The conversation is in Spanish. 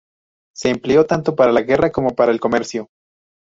Se empleó tanto para la guerra como para el comercio.